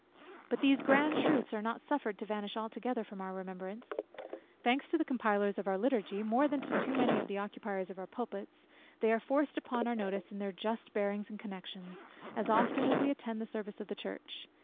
But these grand truths are not suffered to vanish altogether from our remembrance. Thanks to the compilers of our Liturgy, more than to too many of the occupiers of our pulpits, they are forced upon our notice in their just bearings and connections, as often as we attend the service of the church.